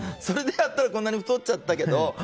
それでやったらこんなに太っちゃったけど。